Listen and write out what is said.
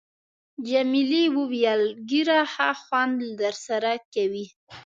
جميلې وويل:، ږیره ښه خوند در سره کوي.